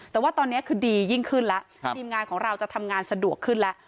แต่ว่าตอนนี้คือดียิ่งขึ้นแล้วทีมงานของเราจะทำงานสะดวกขึ้นแล้ว